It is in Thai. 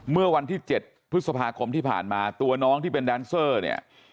เมื่อวันที่๗พฤษภาคมที่ผ่านมาตัวน้องที่เป็นแดนเซอร์เนี่ย